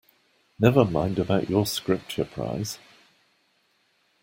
Never mind about your Scripture prize.